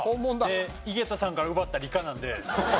で井桁さんから奪った理科なので。